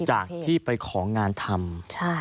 จากที่ไปของงานทำ